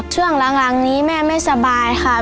ช่วงหลังนี้แม่ไม่สบายค่ะ